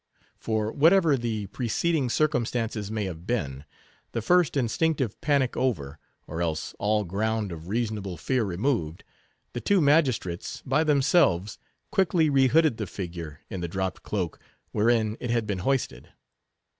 For, whatever the preceding circumstances may have been, the first instinctive panic over, or else all ground of reasonable fear removed, the two magistrates, by themselves, quickly rehooded the figure in the dropped cloak wherein it had been hoisted.